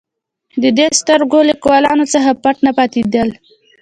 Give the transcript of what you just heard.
د دې سترګور لیکوالانو څخه پټ نه پاتېدل.